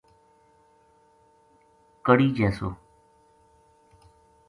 کڑی جیسو